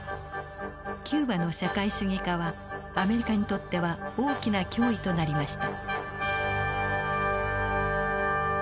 キューバの社会主義化はアメリカにとっては大きな脅威となりました。